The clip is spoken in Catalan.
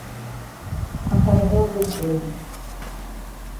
Encarregueu-vos d'ell.